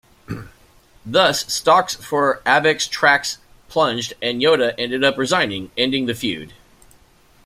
Thus, stocks for Avex Trax plunged and Yoda ended up resigning, ending the feud.